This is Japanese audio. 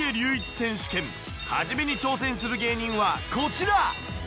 選手権初めに挑戦する芸人はこちら！